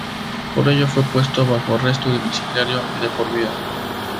Por ello, fue puesta bajo arresto domiciliario de por vida.